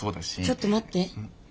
ちょっと待って。